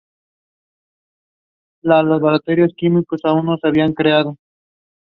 They are colloquially known as "the "lolas"" ("lola" is Filipino for "grandmother").